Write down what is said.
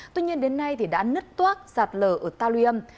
tuy nhiên đến nay đã nứt toác sạt lở ở talium